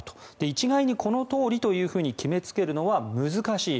一概にこのとおりというふうに決めつけるのは難しい。